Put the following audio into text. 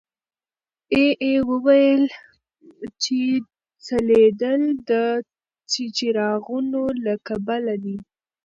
اې ای وویل چې ځلېدل د څراغونو له کبله دي.